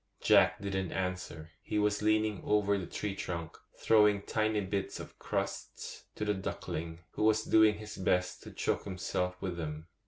Jack didn't answer; he was leaning over the tree trunk, throwing tiny bits of crusts to the duckling, who was doing his best to choke himself with them.